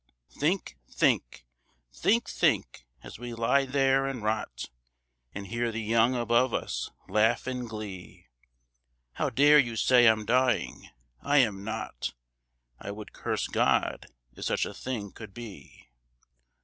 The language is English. "Think, think, think, think, as we lie there and rot, And hear the young above us laugh in glee. How dare you say I'm dying! I am not. I would curse God if such a thing could be.